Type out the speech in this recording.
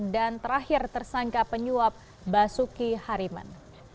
dan terakhir tersangka penyuap basuki hariman